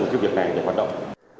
cái việc này để hoạt động